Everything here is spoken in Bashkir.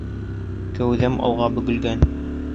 Кәүҙәм алға бөгөлгән